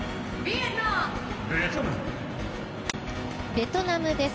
ベトナムです。